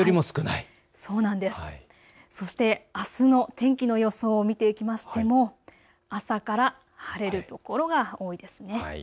そしてあすの天気の予想を見ていきましても朝から晴れる所が多いですね。